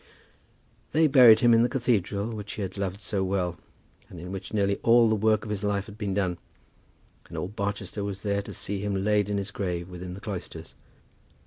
They buried him in the cathedral which he had loved so well, and in which nearly all the work of his life had been done; and all Barchester was there to see him laid in his grave within the cloisters.